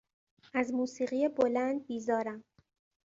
از موسیقی بلند بیزارم.